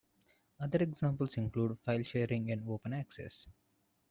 Other examples include file-sharing and open access.